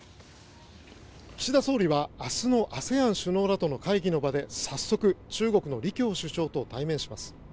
岸田総理は明日のＡＳＥＡＮ首脳らとの会議の場で早速、中国の李強首相と対面します。